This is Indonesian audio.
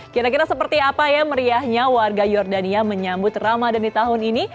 kira kira seperti apa ya meriahnya warga jordania menyambut ramadan di tahun ini